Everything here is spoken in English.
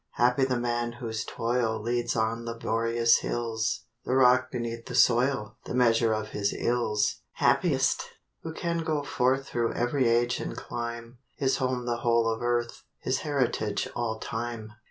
Happy the man whose toil Leads on laborious hills; The rock beneath the soil The measure of his ills. Happiest, who can go forth Thro' every age and clime, His home the whole of earth, His heritage all time.